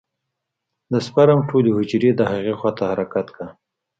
د سپرم ټولې حجرې د هغې خوا ته حرکت کا.